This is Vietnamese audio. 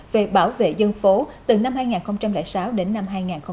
về bảo vệ dân phố từ năm hai nghìn sáu đến năm hai nghìn một mươi ba